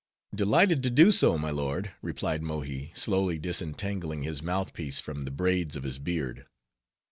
"Delighted to do so, my lord," replied Mohi, slowly disentangling his mouth piece from the braids of his beard.